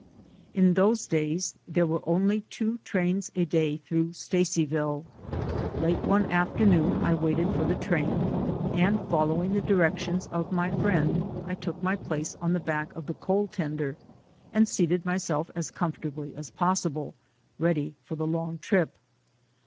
In those days there were only two trains a day through Stacyville. Late one afternoon, I waited for the train, and, following the directions of my friend, I took my place on the back of the coal tender and seated myself as comfortably as pos sible, ready for the long trip.